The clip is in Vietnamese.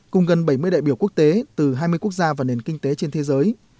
cùng gần bảy mươi đại biểu quốc tế từ hai mươi quốc gia và nền kinh tế trên thế giới